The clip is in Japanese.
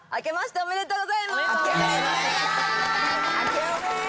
おめでとうございます！